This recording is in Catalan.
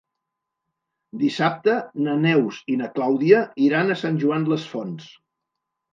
Dissabte na Neus i na Clàudia iran a Sant Joan les Fonts.